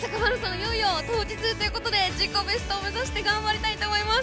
いよいよ当日ということで自己ベストを目指して頑張りたいと思います。